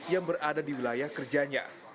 yang berada di wilayah kerjanya